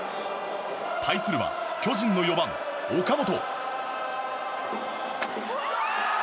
対するは巨人の４番、岡本。